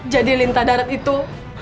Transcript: jadi lintah darat itu